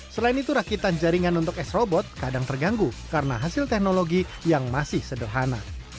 selain itu rakitan jaringan untuk s robot kadang terganggu karena hasil teknologi yang masih sederhana